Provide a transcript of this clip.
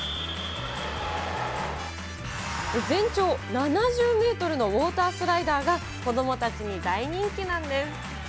全長７０メートルのウオータースライダーが子どもたちに大人気なんです。